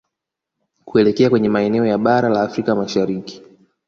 kuelekea kwenye maeneo ya Bara la Afrika Mashariki